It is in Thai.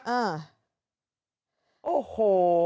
เออโอ้โห